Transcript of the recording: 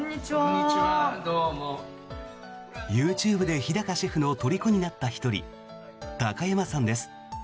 ＹｏｕＴｕｂｅで日高シェフのとりこになった１人高山さんです。